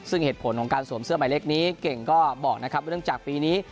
ซึ่งเหตุผลของการสวมเสื้อหมายเลขนี้เก่งก็บอกนะครับว่าเนื่องจากปีนี้